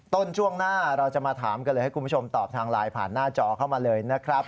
ช่วงหน้าเราจะมาถามกันเลยให้คุณผู้ชมตอบทางไลน์ผ่านหน้าจอเข้ามาเลยนะครับ